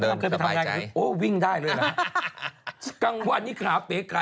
มันทำไมง่ายมันทำไมง่ายพี่